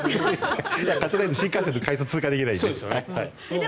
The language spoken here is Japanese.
買ってないと新幹線の改札通過できないので。